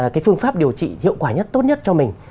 cái phương pháp điều trị hiệu quả nhất tốt nhất cho mình